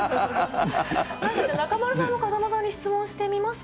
中丸さんも風間さんに質問してみますか？